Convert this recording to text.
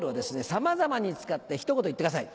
さまざまに使ってひと言言ってください。